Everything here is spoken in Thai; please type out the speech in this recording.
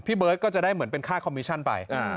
เบิร์ตก็จะได้เหมือนเป็นค่าคอมมิชั่นไป